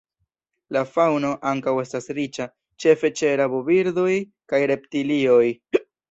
La faŭno ankaŭ estas riĉa, ĉefe ĉe rabobirdoj kaj reptilioj.